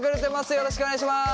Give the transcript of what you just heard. よろしくお願いします。